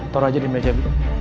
taruh aja di meja dulu